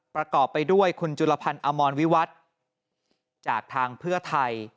ประกอบไปด้วยคุณจุลพันธ์อมรวิวัตรจากทางเพื่อไทย